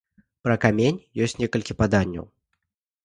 Пра камень ёсць некалькі паданняў.